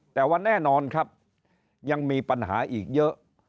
แต่ว่าแน่นอนครับยังมีปัญหาอีกเยอะ